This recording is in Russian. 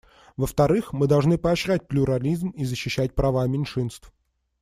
Во-вторых, мы должны поощрять плюрализм и защищать права меньшинств.